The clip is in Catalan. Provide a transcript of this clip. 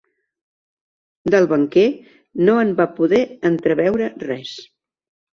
Del banquer no en va poder entreveure res.